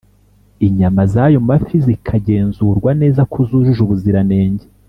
inyama z’ayo mafi zikagenzurwa neza ko zujuje ubuziranenge